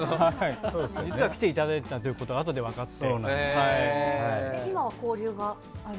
実は来ていただいていたことがあとで分かって。